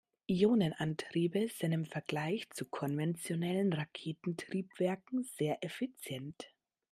Ionenantriebe sind im Vergleich zu konventionellen Raketentriebwerken sehr effizient.